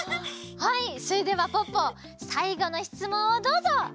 はいそれではポッポさいごのしつもんをどうぞ！